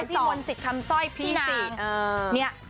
พี่มนต์สิทธิ์คำสร้อยพี่สี่